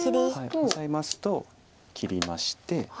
オサえますと切りまして。